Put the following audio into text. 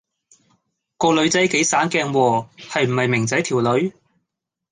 個女仔幾省鏡喎，係唔係明仔條女